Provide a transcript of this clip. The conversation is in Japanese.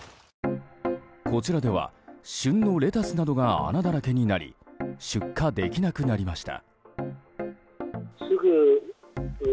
こちらでは、旬のレタスなどが穴だらけになり出荷できなくなりました。